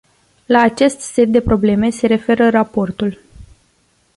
La acest set de probleme se referă raportul.